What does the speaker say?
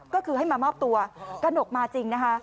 ก็คือให้มามอบตัวกระหนกมาจริงนะคะ